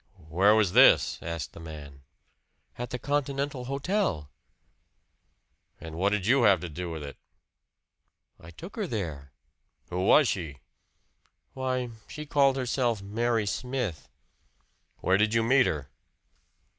"Where was this?" asked the man. "At the Continental Hotel." "And what did you have to do with it?" "I took her there." "Who was she?" "Why she called herself Mary Smith." "Where did you meet her?"